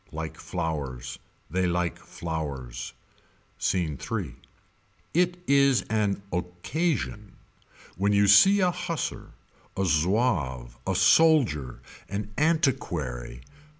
Like flowers. They like flowers. Scene III. It is an occasion. When you see a Hussar. A Zouave. A soldier An antiquary.